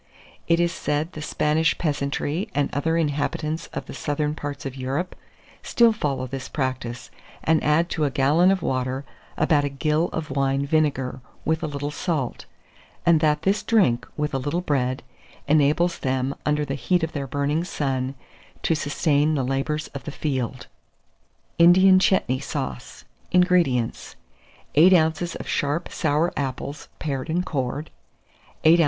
It is said, the Spanish peasantry, and other inhabitants of the southern parts of Europe, still follow this practice, and add to a gallon of water about a gill of wine vinegar, with a little salt; and that this drink, with a little bread, enables them, under the heat of their burning sun, to sustain the labours of the field. INDIAN CHETNEY SAUCE. 452. INGREDIENTS. 8 oz. of sharp, sour apples, pared and cored; 8 oz.